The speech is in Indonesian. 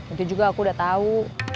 itu juga aku udah tahu